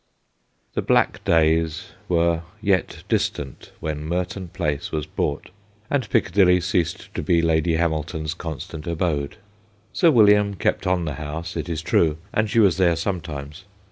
The black days were yet distant when Merton Place was bought, and Piccadilly ceased to be Lady Hamilton's constant abode. Sir William kept on the house, it is true, and she was there sometimes.